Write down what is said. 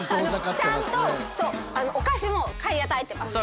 ちゃんとお菓子も買い与えてます。